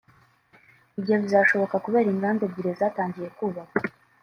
Ibyo bizashoboka kubera inganda ebyiri zatangiye kubakwa